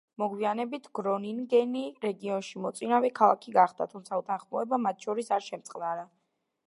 მოგვიანებით გრონინგენი რეგიონში მოწინავე ქალაქი გახდა, თუმცა უთანხმოება მათ შორის არ შემწყდარა.